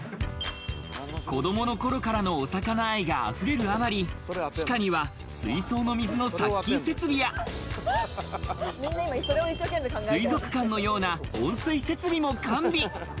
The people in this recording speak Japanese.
子供の頃からのお魚愛があふれるあまり、地下には水槽の水の殺菌設備や、水族館のような温水設備も完備。